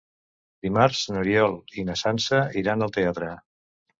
Dimarts n'Oriol i na Sança iran al teatre.